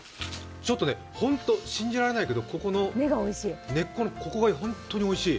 ちょっと信じられないけど、根っこのここが本当においしい。